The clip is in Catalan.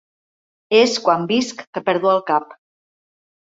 És quan visc que perdo el cap.